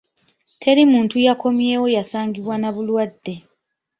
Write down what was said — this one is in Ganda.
Teri muntu yakommyewo yasangibwa n'obulwadde.